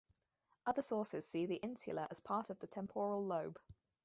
Other sources see the insula as a part of the temporal lobe.